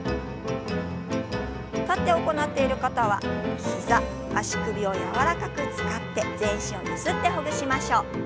立って行っている方は膝足首を柔らかく使って全身をゆすってほぐしましょう。